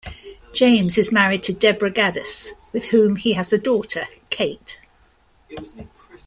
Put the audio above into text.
James is married to Deborah Gaddas, with whom he has a daughter, Cate.